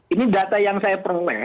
ini data yang saya peroleh